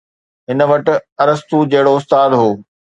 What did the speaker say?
هن وٽ ارسطو جهڙو استاد هو